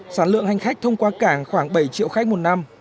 sản lượng hành khách thông qua cảng khoảng bảy triệu khách một năm